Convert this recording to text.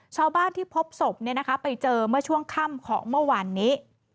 ชาวบ้านที่พบศพไปเจอเมื่อช่วงค่ำของเมื่อวานนี้